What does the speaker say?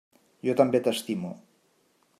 Jo també t'estimo.